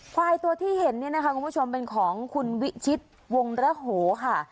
ควายตัวที่เห็นเนี่ยนะคะคุณผู้ชมเป็นของคุณวิชิตวงระโหค่ะ